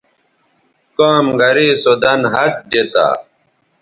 کام گرے سو دَن ہَت دی تا